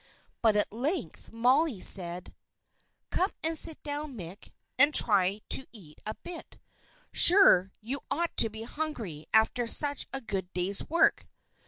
But at length Molly said: "Come and sit down, Mick, and try to eat a bit. Sure, you ought to be hungry, after such a good day's work!"